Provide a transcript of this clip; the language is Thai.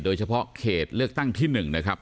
โดยเฉพาะเขตเลือกตั้งที่๑นะครับ